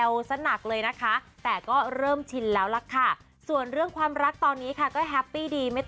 ว่าฉันเป็นคนแบบนี้ความรักแบบนี้